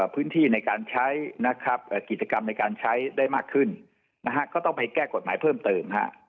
พื้นที่ในการใช้นะครับกิจกรรมในการใช้ได้มากขึ้นก็ต้องไปแก้กฎหมายเพิ่มเติม